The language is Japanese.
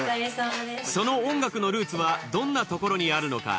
その音楽のルーツはどんなところにあるのか？